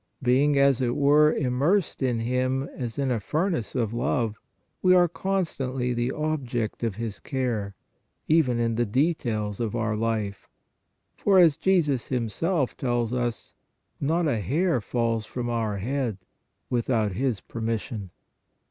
Being, as it were, immersed in Him as in a furnace of love, we are constantly the object of His care, even in the details of our life, for, as Jesus Himself tells us, not a hair falls from our head without His permission.